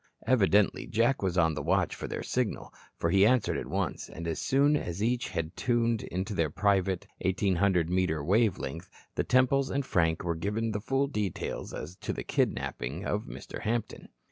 Evidently Jack was on the watch for their signal, for he answered at once, and as soon as each had tuned to their private 1,800 metre wave length, the Temples and Frank were given the full details as to the kidnapping of Mr. Hampton.